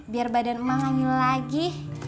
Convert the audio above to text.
biar badan emak ga ngilu lagi